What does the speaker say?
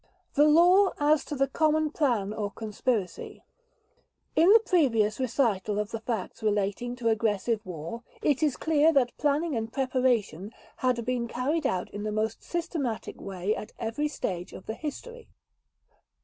The Law as to the Common Plan or Conspiracy In the previous recital of the facts relating to aggressive war, it is clear that planning and preparation had been carried out in the most systematic way at every stage of the history.